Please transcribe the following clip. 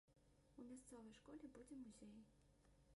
У мясцовай школе будзе музей.